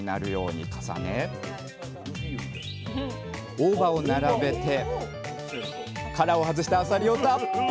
大葉を並べて殻を外したあさりをたっぷり。